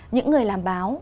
những người làm báo